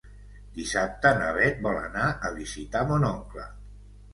Dissabte na Bet vol anar a visitar mon oncle.